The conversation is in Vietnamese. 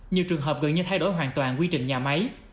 nhiều trường hợp gần như thay đổi hoàn toàn quy trình nhà máy